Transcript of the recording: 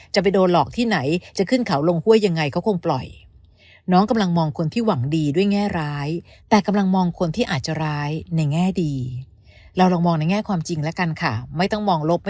จะไปโดนหลอกที่ไหนจะขึ้นเขาลงห้วยยังไงก็คงปล่อย